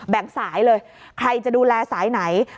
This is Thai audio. สายเลยใครจะดูแลสายไหน